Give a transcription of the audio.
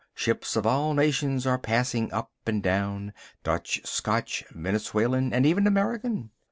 Ships of all nations are passing up and down, Dutch, Scotch, Venezuelan, and even American.